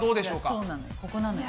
そうなのよ